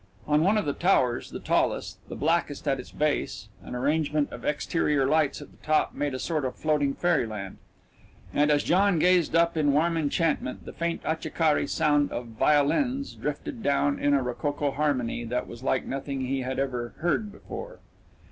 On one of the towers, the tallest, the blackest at its base, an arrangement of exterior lights at the top made a sort of floating fairyland and as John gazed up in warm enchantment the faint acciaccare sound of violins drifted down in a rococo harmony that was like nothing he had ever heard before.